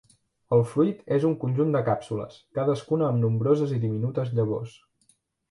El fruit és un conjunt de càpsules, cadascuna amb nombroses i diminutes llavors.